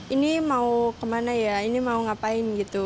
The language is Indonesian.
ini mau kemana ya ini mau ngapain gitu